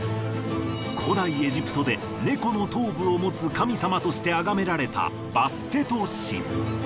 古代エジプトで猫の頭部を持つ神様としてあがめられたバステト神。